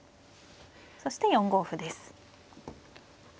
そして４五歩です。